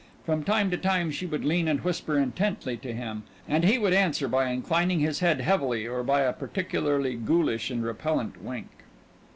From time to time she would lean and whisper intently to him, and he would answer by inclining his head heavily or by a particularly ghoulish and repellent wink.